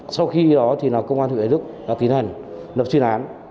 sau khi đó thì là công an thủy lực đã tiến hành nập truyền án